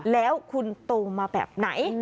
แล้วคุณโตมาแบบไหน